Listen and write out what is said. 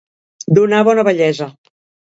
Donar bona vellesa.